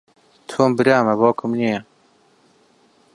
تۆم برامە، باوکم نییە.